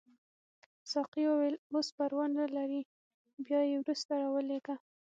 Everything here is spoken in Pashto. ساقي وویل اوس پروا نه لري بیا یې وروسته راولېږه.